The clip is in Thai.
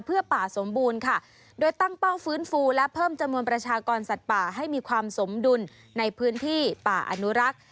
เพื่อป่าสมบูรณ์ค่ะโดยตั้งเป้าฟื้นฟูและเพิ่มจำนวนประชากรสัตว์ป่าให้มีความสมดุลในพื้นที่ป่าอนุรักษ์